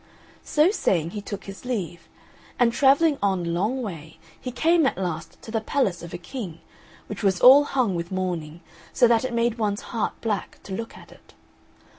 So saying he took his leave; and travelling on a long way he came at last to the palace of a King, which was all hung with mourning, so that it made one's heart black to look at it.